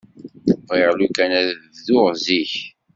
Bɣiɣ lukan ad bduɣ zik.